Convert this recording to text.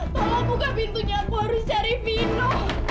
pa tolong buka pintunya aku harus cari vino